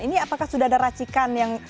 ini apakah sudah ada racikan yang